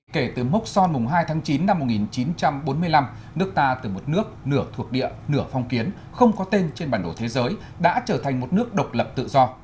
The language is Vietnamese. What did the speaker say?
kể từ mốc son hai tháng chín năm một nghìn chín trăm bốn mươi năm nước ta từ một nước nửa thuộc địa nửa phong kiến không có tên trên bản đồ thế giới đã trở thành một nước độc lập tự do